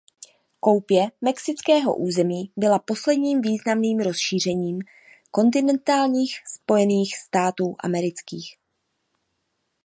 Koupě mexického území byla posledním významným rozšířením kontinentálních Spojených států amerických.